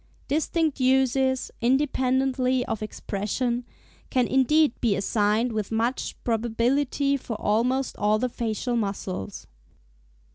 Distinct uses, independently of expression, can indeed be assigned with much probability for almost all the facial muscles.